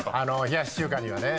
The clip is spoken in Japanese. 冷やし中華にはね。